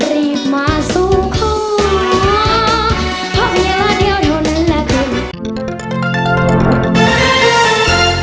รีบมาสู่ข้อภาพเยาะเดี๋ยวโดนละก่อน